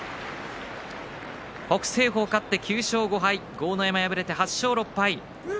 北青鵬、勝って９勝５敗豪ノ山は敗れて８勝６敗。